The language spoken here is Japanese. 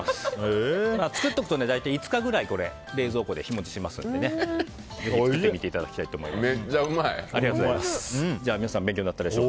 作っておくと５日ぐらい冷蔵庫で日持ちしますのでぜひ作ってみていただきたいと思います。